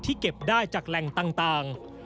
เก็บได้จากแหล่งต่าง